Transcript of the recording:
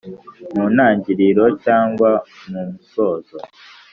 mu ntangiriro cyangwa mu musozo